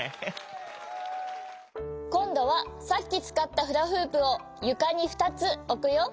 こんどはさっきつかったフラフープをゆかにふたつおくよ。